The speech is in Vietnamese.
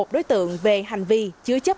đối tượng về hành vi chứa chất